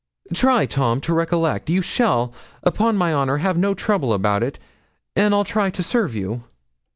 Try, Tom, to recollect; you shall, upon my honour, have no trouble about it, and I'll try to serve you.'